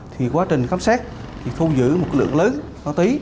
thì quá trình khám xét thì thu giữ một lượng lớn máu tí